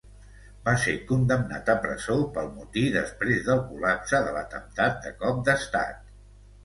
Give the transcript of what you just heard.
Va ser condemnat a presó pel motí després del col·lapse de l'atemptat de cop d'estat.